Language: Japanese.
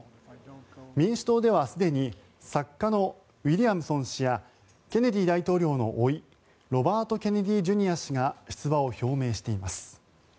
民主党ではすでに作家のウィリアムソン氏やケネディ大統領のおいロバート・ケネディ・ジュニア氏が出馬を表明しています。